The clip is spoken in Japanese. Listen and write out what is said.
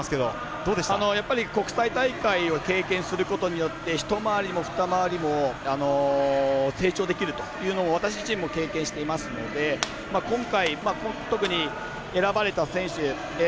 やっぱり国際大会を経験することによって１回りも２回りも成長できるというのを私自身も経験しているので今回、特に選ばれた選手